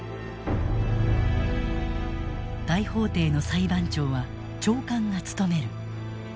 大法廷の裁判長は長官が務める。